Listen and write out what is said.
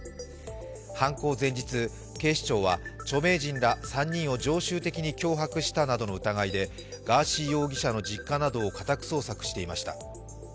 犯行前日、警視庁は、著名人ら３人を常習的に脅迫したなどの疑いでガーシー容疑者の実家などを家宅捜索していました。